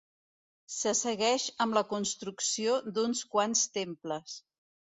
Se segueix amb la construcció d'uns quants temples.